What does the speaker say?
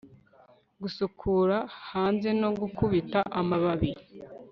gusukura hanze no gukubita amababi